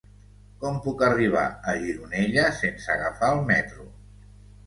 Com puc arribar a Gironella sense agafar el metro?